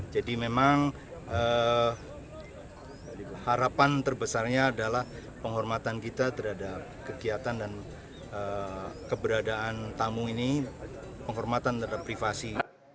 jadi memang harapan terbesarnya adalah penghormatan kita terhadap kegiatan dan keberadaan tamu ini penghormatan terhadap privasi